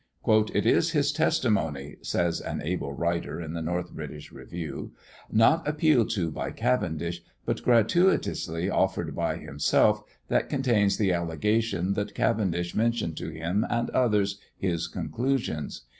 "It is his testimony," says an able writer in the North British Review, "not appealed to by Cavendish, but gratuitously offered by himself, that contains the allegation that Cavendish mentioned to him and others his conclusions.